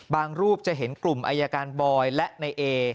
รูปจะเห็นกลุ่มอายการบอยและในเอ